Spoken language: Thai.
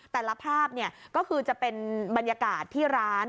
แต่ละภาพก็คือจะเป็นบรรยากาศที่ร้าน